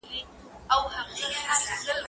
زه اجازه لرم چي مېوې وچوم؟!